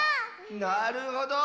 なるほど！